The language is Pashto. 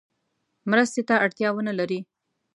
مرستې ته اړتیا ونه لري.